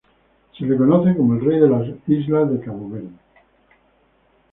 Se le conoce como el Rey de las Islas de Cabo Verde.